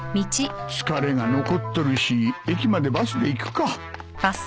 疲れが残っとるし駅までバスで行くか